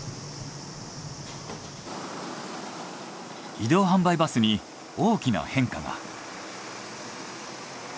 移動販売バスに大きな変化が。